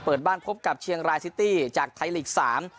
เปิดบ้านพบกับเชียงรายซิตี้จากไทยลีกสาม